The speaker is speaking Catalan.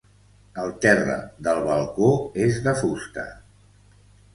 El terra del balcó és de fusta.